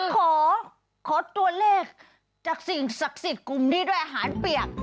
ขอขอตัวเลขจากสิ่งศักดิ์สิทธิ์กลุ่มนี้ด้วยอาหารเปียก